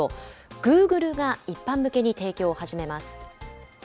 グーグルが一般向けに提供を始めます。